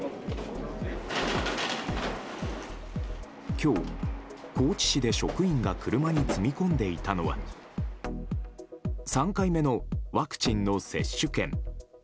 今日、高知市で職員が車に積み込んでいたのは３回目のワクチンの接種券。